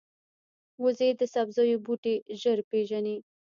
وزې د سبزیو بوټي ژر پېژني